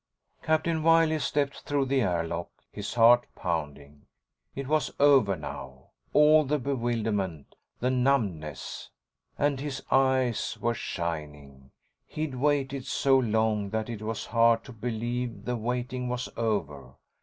Captain Wiley stepped through the airlock, his heart pounding. It was over now—all the bewilderment, the numbness. And his eyes were shining. He'd waited so long that it was hard to believe the waiting was over.